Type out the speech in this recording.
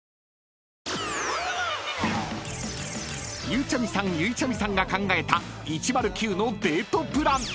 ［ゆうちゃみさんゆいちゃみさんが考えた１０９のデートプラン］